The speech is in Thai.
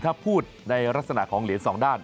ถ้าพูดในลักษณะของเหรียญสองด้าน